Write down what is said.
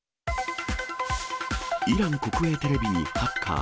イラン国営テレビにハッカー。